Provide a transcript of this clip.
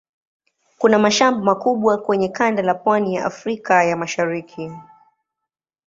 Kuna mashamba makubwa kwenye kanda la pwani ya Afrika ya Mashariki.